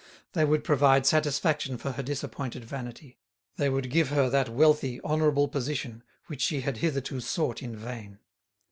They would provide satisfaction for her disappointed vanity, they would give her that wealthy, honourable position which she had hitherto sought in vain.